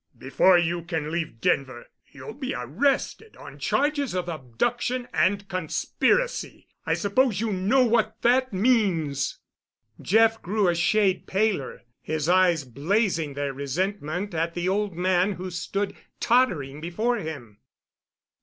Before you can leave Denver you'll be arrested on charges of abduction and conspiracy. I suppose you know what that means?" Jeff grew a shade paler, his eyes blazing their resentment at the old man who stood tottering before him.